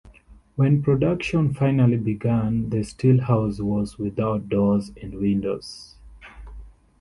When production finally began, the still house was without doors and windows.